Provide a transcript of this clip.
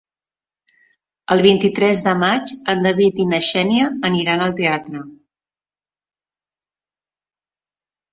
El vint-i-tres de maig en David i na Xènia aniran al teatre.